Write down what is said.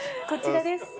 こちらです。